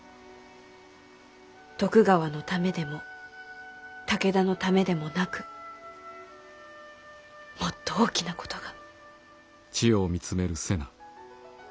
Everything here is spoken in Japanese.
徳川のためでも武田のためでもなくもっと大きなことが。